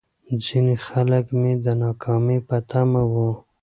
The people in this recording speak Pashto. ځيني خلک مې د ناکامۍ په تمه وو.